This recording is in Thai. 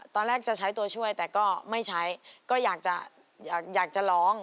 ตอนแรกจะใช้ตัวช่วยแต่ก็ไม่ใช้ก็อยากจะอยากจะร้อง